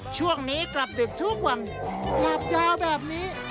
ช่วงนี้กลับดึกทุกวันหลับยาวแบบนี้